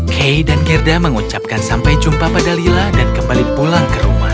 kay dan gerda mengucapkan sampai jumpa pada lila dan kembali pulang ke rumah